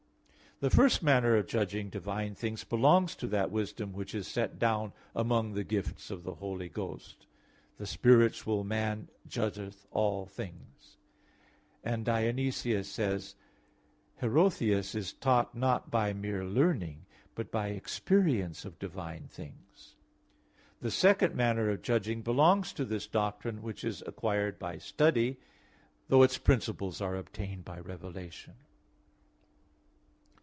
The first manner of judging divine things belongs to that wisdom which is set down among the gifts of the Holy Ghost: "The spiritual man judgeth all things" (1 Cor. 2:15). And Dionysius says (Div. Nom. ii): "Hierotheus is taught not by mere learning, but by experience of divine things." The second manner of judging belongs to this doctrine which is acquired by study, though its principles are obtained by revelation.